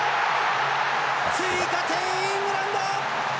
追加点、イングランド！